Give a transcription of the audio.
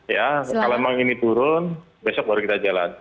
ya kalau memang ini turun besok baru kita jalan